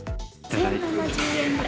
１０７０円？